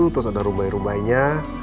terus ada rumbai rumbainya